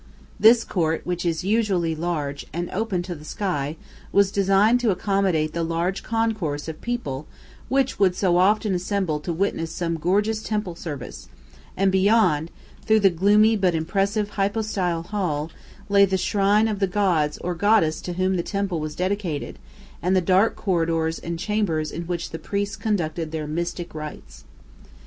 This court, which is usually large, and open to the sky, was designed to accommodate the large concourse of people which would so often assemble to witness some gorgeous temple service, and beyond, through the gloomy but impressive hypostyle hall, lay the shrine of the god or goddess to whom the temple was dedicated and the dark corridors and chambers in which the priests conducted their mystic rites. [Footnote 7: One with a roof supported by columns.